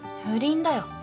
不倫だよ。